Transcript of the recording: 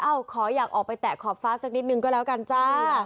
ขออยากออกไปแตะขอบฟ้าสักนิดนึงก็แล้วกันจ้า